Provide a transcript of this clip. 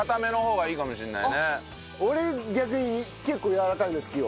俺逆に結構やわらかいの好きよ。